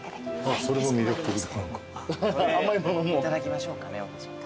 それいただきましょうかね。